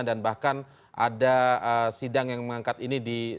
dan bahkan ada sidang yang mengangkat ini di